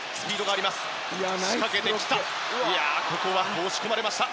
ここは押し込まれました。